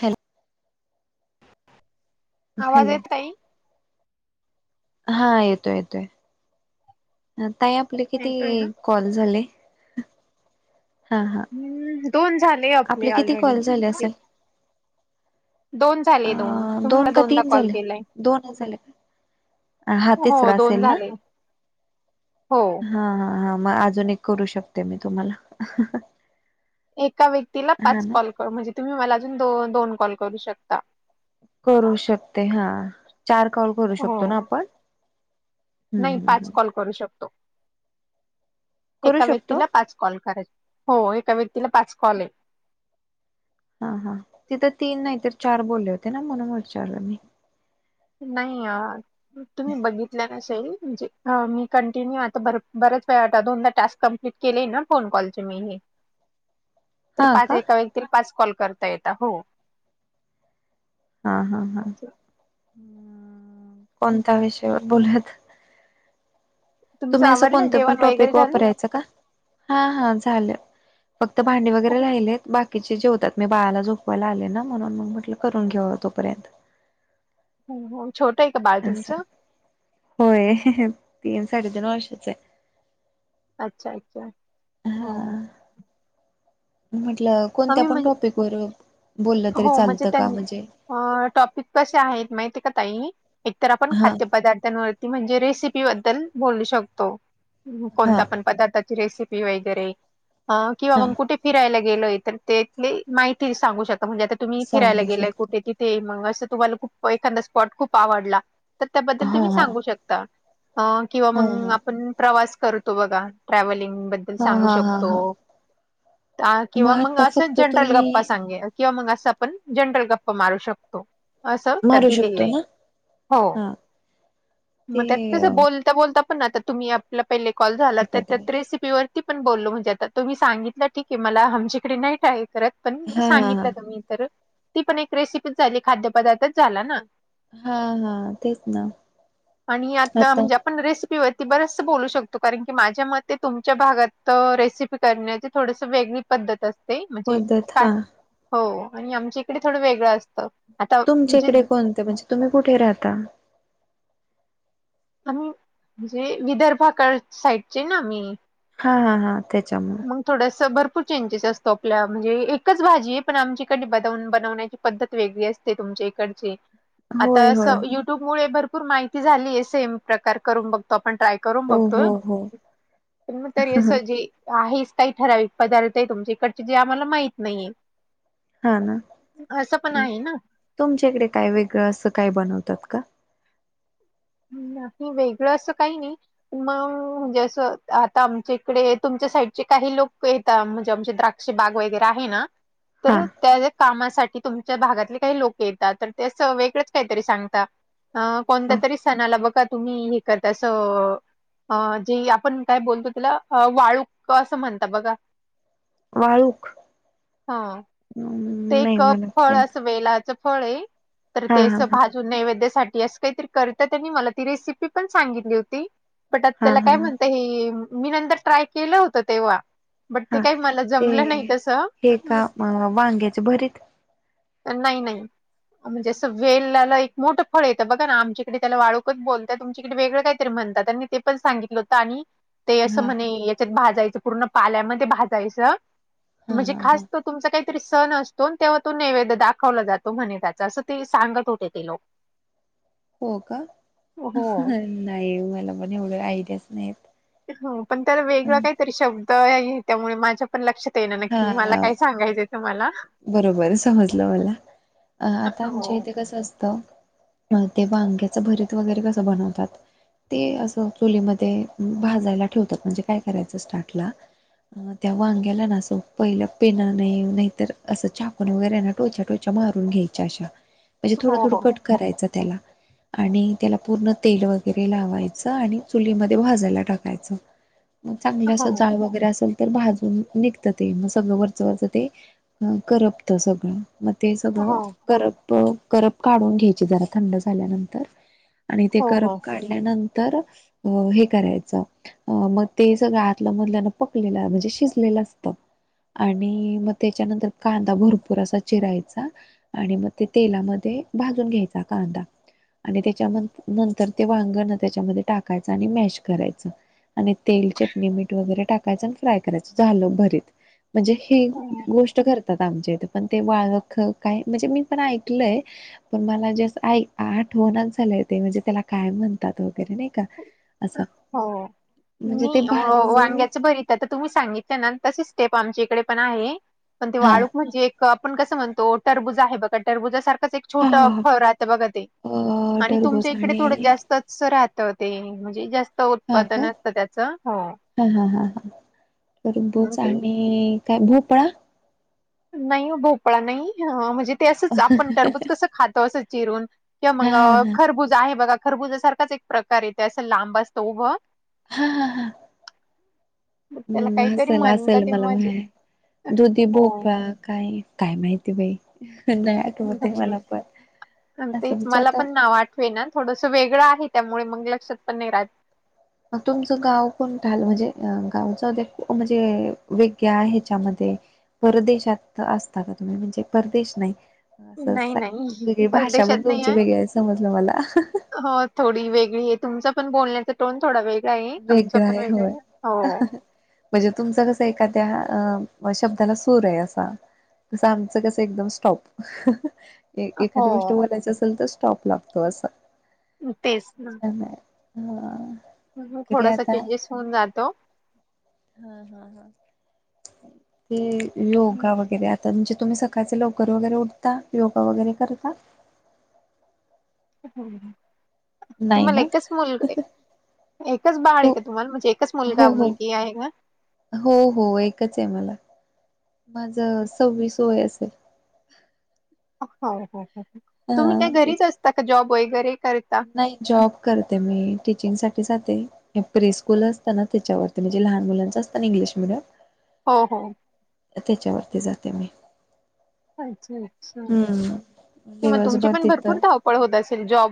Hello. आवाज hello येत ताई हा येतोय येतोय, ताई आपले किती येतोय ना? कॉल झाले हा हा हम्म. दोन झाले आपले किती ऑलरेडी कॉल झाले असेल दोन अ झाले दोन. तुम्ही मला दोन का दोनदा तीन कॉल झाले केलाय. दोनच झाले का हा हो तिसरा दोन असेल ना झाले. हो. हा हा हा, मग अजून एक करू शकते मी, तुम्हाला. एका व्यक्तीला हा पाच ना कॉल, कर- म्हणजे तुम्ही मला अजून दो -दोन कॉल करू शकता. करू शकते. हा चार कॉल करू हो. शकतो ना? आपण. हम्म नाही, हम्म पाच हम्म. कॉल करू शकतो. करू एका शकतो व्यक्तीला पाच कॉल करायच. हो, एका व्यक्तीला पाच कॉल आहे. हा हा तिथं तीन नाही तर, चार बोलले होते ना, म्हणून विचारलं मी. नाही अ तुम्ही बघितल्या नसेल जी ह मी कंटिन्यू आता बर बरेच वेळा, आता दोनदा टास्क कम्प्लीट केले ना, फोन कॉलचे मी. तर हा पाच. का एका व्यक्ती पाच कॉल करता येत. हो. हा हा हा. कोणत्या विषयावर बोलुयात तुमचं तुम्ही असं आवरलं कोणतं पण जेवण वगैरे टॉपिक झाली? वापरायचं का? हा हा झालं. फक्त भांडे वगैरे राहिले आहेत बाकी बाकीचे जेवतात. मी बाळाला झोपवायला आले ना, म्हणून म्हटलं करून घेऊ तोपर्यंत. हुं. छोटं आहे का बाळ असं तुमचं? होय. तीन साडेतीन वर्षाच आहे. अच्छा! अच्छा! हो हा. म्हटलं कोणत्या आम्ही पण म्हण टॉपिक वर बोललं तरी चालतं का? म्हणजे अं टॉपिक कशे आहेत माहिती आहे का ताई, एकतर आपण हा खाद्य पदार्थांवर म्हणजे रेसिपीबद्दल बोलू शकतो हा कोणता पण पदार्थ. रेसिपी वैगेरे हा किंवा मग कुठे फिरायला गेलोय तर तेथली माहिती सांगू शकता म्हणजे आता तुम्ही फिरायला सांगू गेलाय शकतो. कुठे तिथे मग असं तुम्हाला खूप एखादा स्पॉट खूप आवडला तर त्याबद्दल हा तुम्ही हा सांगू शक. किंवा हा मग हा आपण प्रवास करतो बघा ट्रॅव्हलिंग हा सांगू हा हा हा शकतो किंवा मग आता असं फक्त जनरल तुम्ही गप्पा सांगीतलय किंवा मग असं आपण जनरल गप्पा मारू शकतो. असंल त्यात मारू दिलेलं शकतो आहे ना हो हा ते मग त्यात कस बोल त्या बोलता पण, आता तुम्ही आपला पहिले कॉल झाला, तर एखाद्या त्यात वेळेस रेसिपीवर ते पण बोललो म्हणजे आता तुम्ही सांगितलं ठीक आहे. मला आमच्याकडे नाही काय करत. पण मी हा हा सांगितल. हा मी परत. ती पण एक रेसिपीच झाली खाद्यपदार्थच झाला ना. हा हा तेच ना आणि आता आमच्या आपण रेसिपीवरती बरचस बोलू शकतो कारण की माझ्या मते तुमच्या भागात रेसिप करण्याची थोडस वेगळी पद्धत असते. म्हणजे पद्धत काय हा. हो आणि आमच्या इकडे थोडं वेगळं असतं. आता तुमच्या म्हणजे इकडे कोणते म्हणजे तुम्ही कुठे राहता. आम्ही म्हणजे विदर्भाकड साईडचे ना आम्ही. हा हा तेच्या. थोडस भरपूर चेंजेस असतो आपल्या म्हणजे एकच भाजी आहे पण आमची कडे [unintelligible] बनवण्याची. पद्धत वेगळी असते तुमच्या इकडची आता होय होय असं युट्यूबमुळे भरपूर माहिती झालीय सेम प्रकार करून बघतो आपण ट्राय करून हो हो बघतोय हो पण मग तरी अस जे आहेच काही ठराविक पदार्थ आहे तुमच्या इकडचे जे आम्हाला माहित नाहीये हा ना असं पण आहे ना तुमच्या इकडे काय वेगळं असं काय बनवतात का नाही वेगळं असं काही नाही मग म्हणजे असं आता आमच्या इकडे तुमच्या साईडचे काही लोक आहेत. तर म्हणजे आमचे द्राक्षे बाग वगैरे आहे ना हा तर त्याज्या कामासाठी तुमच्या भागातले काही लोक येतात तर ते असं वेगळच काहीतरी सांगता अं हा कोणत्या तरी सणाला बघा तुम्ही हे करता अस अं अं जे आपण काय बोलतो तेला वाळूक असं म्हणता बघा. वाळूक. हा ते नाही एक मला फळ पण असं वेलाचं फळ आहे तर हा ते हा असं भाज. जून नैवेद्यासाठी असं काहीतरी करत त्यांनी मला ती रेसिपी पण सांगितली होती. [unintelligible] हा हा त्याला काय हा म्हणत हे मी नंतर ट्राय केलं होत तेव्हा बट ते हा काही मला जमलं नाही तसं वांग्याच भरीत. नाही नाही. म्हणजे असं वेलाला एक मोठं फळ येतं बघा ना आमच्याकडे त्याला वाळूकच बोलताय तुमच्याकडे वेगळं काय. तर म्हणतात आणि ते पण सांगितलं होतं आणि. ते असं हा म्हणे याच्यात भाजायचं पूर्ण पाल्यामध्ये भाजायचं हा म्हणजे हा हा खास. तुमचा काहीतरी असतो अन् तेव्हा तो नैवेद्य. दाखवला जातो म्हणे त्याच असं ते सांगत होते ते लोक. हो का हो. नाही मला पण एवढ आयडियाच नाहीत पण त्याला वेगळा काहीतरी शब्द आहे त्यामुळे माझ्या पण लक्षात. ते ना नक्की मला हा काय सांगायचं बरोबर समजलं मला अ आता आमच्या हो. इथे कसं असत अ ते व अग्याचं भरत वगैरे कसं बनवतात ते अस चुलीमध्ये भाजायला ठेवतात म्हणजे काय करायचं स्टार्टला त्यावांग्याला ना असो पहिला पेन नाही नाहीत असं चाकून वगैरेना टोयच्या टोयच्या मारून घ्यायच्या अशा म्हणजे थोडं हो थोडं हो कट करायचं त्याला आणि त्याला पूर्ण तेल वगैरे लावायचं आणि चुलीमध्ये भाजायला टाकायचं मग चांगलं हो असं जाळ वगैरे असेल तर भाजून निघत ते मग सगळं वरच वरचं ते करपत सगळं मग ते हो सगळं करप करप काढून घ्यायची जरा थंड झाल्यानंतर आणि ते हो करप हो. काढ. दाखवल्यानंतर अ हे करायचं अं मग ते सगळं आतल्या मधल्यानं पकलेलं म्हणजे शिजलेलं असतं. आणि मग त्याच्यानंतर कांदा भरपूर असा चिरायचा आणि मग ते तेलामध्ये भाजून घ्यायचा कांदा आणि त्याच्या नंतर ते वांगण त्याच्यामध्ये टाकायचं आणि मॅश करायचं आणि तेल चटणी मीठ वगैरे टाकायचं आणि फ्राय करायचं झाल भरीत म्हणजे हे गोष्ट करतात आम पण ते बाळख काय म्हणजे मी पण ऐकलय पण मला जस आई आठवणत झालंय ते म्हणजे त्याला काय म्हणतात वगैरे नाही का असं हो म म्हणजे ते भाजून वांग्याच बरी आ तुम्ही सांगितलं ना तशी स्टेप आमच्या इकडे पण आहे पण ते हा वाळूक म्हणजे आपण कसं म्हणतो टरबुजा आहे बघा टरबुज सारखंच एक हा छोटा हा फ राहत बघा ते अ आणि टरबूज तुमच्या इकडे थोडं आणि जास्त राहत ते म्हणजे जास्त हा का उत्पादन असतं त्याचं. हो. हा हा ह ह ब मग बरच ते आणि काय भोपपळा नाही भोपळा नाही म्हणजे ते असंच आपण तररबोज कसं खातो असं चिरून किं मग हा हा खरबूज आहे बघा खरबूज सारखाच एक प्रकार येते असं लांब असतं उभं हा हा हा मग त्याला हम् काहीतरी हल म्हणता असेल ते मला माझे दुधी हो. भोपा काही काय माहिती बाई नाही आठवत आहे मला पण असं तेच म्हणजे मला आता पण ना वाट ना थोडस वेगळं आहे त्यामुळे मग लक्षात पण नाही राहत तुमचं गाव कोण ठल म्हणजे गावच दे म्हणजे वेग्या आहे ह्याच्यामध्ये परदेशात असता का तुम्ही म्हणजे परदेश नाही अस नाही नाही वेगळी भाषा परदेशात पण नाही तुमची वेगळी आहे समजलं मला हो थोडी वेगळी आहे तुमचा पण बोलण्याचा टोन थोडा वेगळा नाही आमचं वेगळं पण आहे माय होय हो म्हणजे तुमचं कसं एखाद्या अ शब्दाला सूर आहे असा कसं आमचं कसं एकदम स्टॉप हो एखादी्या गोष्ट बोलायच असेल तर स्टॉप लागतो असं तेच ना हम थोडासा चेंजेस होऊन जातो हा ह ह ते योगा हम्म. वगैरे तर म्हणजे तुम्ही सकाळचे लवकर वगैरे उठता योगा वगैरे करता नाही तुम्हाला ना एकच मुलगा आहे एकच बाळ आहे हो का तुम्हाला म्हणजे एकच हो मुलगा हो मुलगी आहे का हो हो एकच आहे मला माझ सव्वीस वय असेल हो तुम्ही काय हा तेच घरीच असता का जॉब वगैरे करता नाही जॉब करते मी टीचिंग साठीचाते हे प्रे स्कूल असतता ना त्याच्यावरती म्हणजे लहान मुलांच असं ना इंग्लिश मिीडियम हा हा त्याच्यावरती जाते मी अच्छा अच्छा हम्म किंवा तुमची दिवसभर पण तिथं भरपूर ा अस ज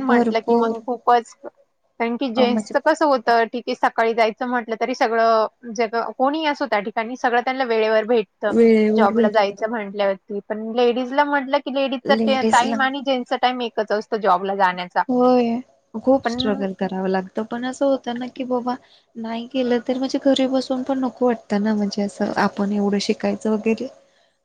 म्हट भरपूर क खप कार जेंस म्हणजे होत ते सकाळी जायचं म्हटलं तरी सगळं जग कोणी असो त्या ठिकाणी सगळं त्यांना वेळेवर भेट वेळेवर जॉबला भेटत जायचं म्हंटल्या हो पण लेडीजला म्हटलं की लेडीजचा लेडीज टाईम ला आणि जेंट्सचा टाइम एकच असतो जॉबला जाण्याचा होय खूप पण स्ट्रगल करावं लागतं पण असं होतं ना की बाबा नाही गेलं तर म्हणजे घरी बसून पण नको वाटतं ना म्हणजे असं आपण एवढं शिकायचं वगैरे ह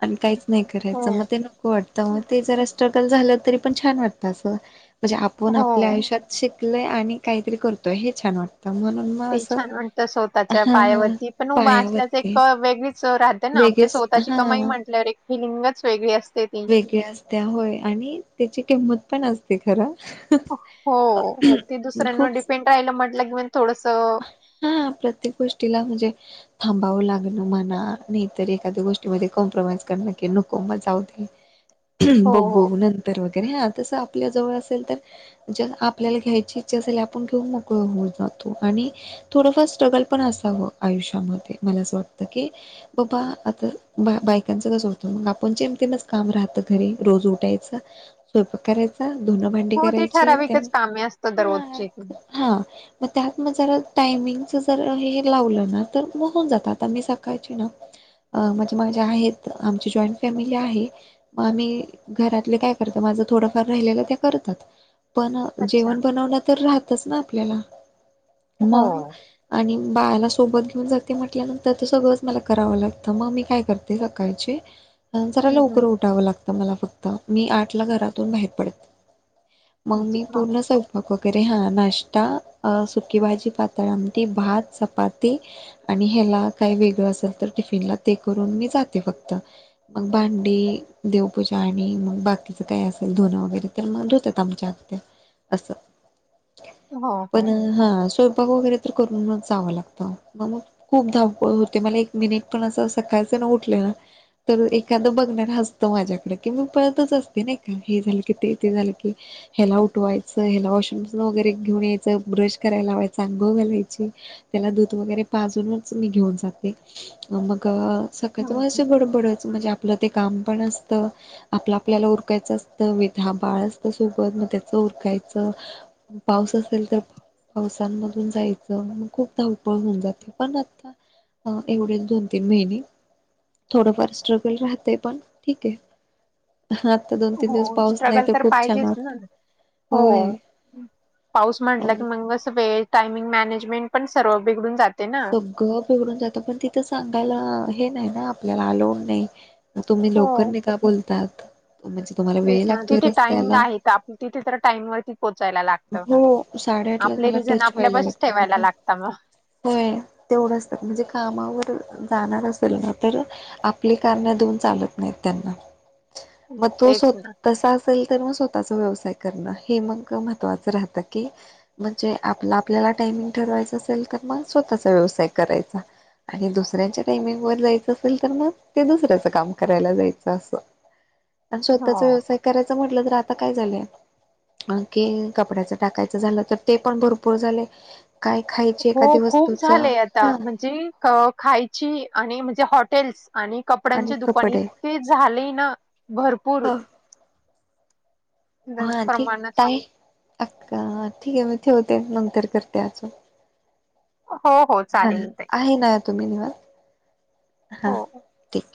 आणि काहीच नाही हो करायचं मग ते नको वाटतं मग ते जरा स्ट्रगल झालं तरी पण छान वाटतं असं. म्हणजे आपण हो आपल्या आयुष्यात शिकलय आणि काहीतरी करतोय हे छान वाटतं म्हणून मग ते असं छान म्हणत स्वतःच्या हा हा पायावरती पण उभा असल्याच पायावरती एक वेगळीच राहते ना आपली वेगळेच स्वतःची हा म्हटल्यावर एक फिलिंगच वेगळी असते व असत आणि त्याची किंमत पण असते खर हो ते दुसऱ्यांवर डिपेंड राहिलं म्हटलं की म थोडस हा प्रत्येक गोष्टीला म्हणजे थांबावं लागण मला नाहीतर एखाद्या गोष्टीमध्ये कॉम्प्रोमाइज करण की नकों मग जाऊ दे. हो, हो. बघू नंतर वगैरे ह तस आपल्या जवळ असेल तर ण ज आपल्याला घ्यायची इच्छा असल आपण घेऊन मोकळ होऊन जातो. आणि थोडंफार स्ट्रगल पण असावं आयुष्यामध्ये मला असं वाटतं की, बाबा आता बा बायकांचं कसं होतं मग आपण जेमतेमच काम राहतं घरी रोज उठायचं स्वयपाक करायचा, धुणं भांडी हो ते करायची त्या ठराविकच कामे असतं हा दररोजची. हां म मग जरा टायमिंगच जर हे लावलं ना तर मग होऊन जात आता मी सकाळची ना अ माझे माझे आहेत आमची जॉईंट फॅमिली आहे. मग आम्ही घरातले काय करत माझं थोडंफार राहिलेलं ते करतात. पण अच्छा. जेवण बनवनं तर राहतच ना आपल्याला हो. मग आणि बाळाला सोबत घेऊन जाते म्हटल्यानंतर ते सगळंच मला करावं लागतं मग मी काय करते. सकाळचे जरा हं, लवकर हं. उठावं लागतं मला फक्त, मी आठ ला घरातून बाहेर पडत. मग मी अच्छा. पूर्ण स्वयपाक वगैरे हा नाश्ता किंवा जी पातळ आमटी, भात, चपाती आणि ह्याना काही वेगळं असेल तर टिफिनला ते करून मी जाते फक्त मग भांडी देवपूजा आणि मग बाकीचं काय असेल धुनं वगैरे तर मग धुतात आमच्या आत्या असं हो, हो. पण हो. हा स्वयंपाक वगैरे तर करून जावं लागतं म खूप धावपळ होते मला एक मिनिट पण असं सकाळचं ना उठले ना तर एखादं बघणार हसतं माझ्याकडे की मी पळतच असते नाही का हे झालं की ते ते झालं की ह्याला उठवायचं ह्याला वॉशिंग मशीन वगैरे घेऊन यायचं ब्रश कराय लावायचा अंघोळ घालायचे त्याला दूध वगैरे पाजूनच मी घेऊन जाते. मग हं, सकाळचे हं. असं बडबडच म्हणजे आपलं ते काम पण असतं. आपलं आपल्याला उरकायचं असतं म हा बाळ असतं सोबत मग त्याच उरकायचं. पाऊस असेल तर, पावसांमधून जायचं म खूप धावपळ होऊन जाते पण आता हा एवढे दोन तीन महिने थोडंफार स्ट्रगल राहतय पण ठीक आहे. हा आता दोन तीन दिवस हो पाऊस नाही स्ट्रगल तर खूप छान पाहिजेच ना. वाटत. हो होय पाऊस म्हटला की मगस सफेट टायमिंग मॅनेजमेंट सर्व बिघडून जात सगळं पुरून जातो पण तिथे सांगायला हे नाही ना आपल्याला अलाउड नाही. तुम्ही हो लवकर निघा बोलतात म्हणजे तुम्हाला तेच वेळ ना लागतोय तिथे टाइमिंग रस्त्याला आहे तर आप तिथे तर टाइमवरती. पोचायला लागत, हो साडेआठ लाच आपले मला रिझन टच व्हायला आपल्यापशीच लागत ठेवायला तिथं लागता मग होय तेवढंत, म्हणजे कामावर जाणार असेल ना तर आपली कारण देऊन चालत नाहीत त्यांना मग तो स्व तेच ना. तसा असेल तर मग स्वतःचा व्यवसाय करणं हे मग म्ह तो असं राहतं की, म्हणजे आप आपल्याला टायमिंग ठरवायचं असेल तर मग स्वतःचा व्यवसाय करायचा आणि दुसऱ्यांच्या टाइमिंग वर जायचं असेल तर मग ते दुसऱ्याचं काम करायला जायचं असं आणि हो. स्वतःचा व्यवसाय करायचा म्हटलं तर आता काय झालंय. कपड्याच टाकायचं झालं तर ते पण भरपूर झालेय. काय खाई हो खूप झालंय आता म्हणजे खायची आणि म्हणजे हॉटेल्स आणि आणि कपड्यांचे दुकान कपडे इतके झाले ना भरपूर हा. हा ठीक प्रमाणात ताई आक्का ठीक आहे मी ठेवते नंतर करते अजून हो हो हा चालेल ते आहे ना तुम्ही निवात हा हो. ठीक.